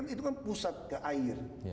itu kan pusat ke air